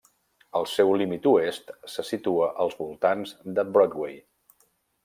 El seu límit oest se situa als voltants de Broadway.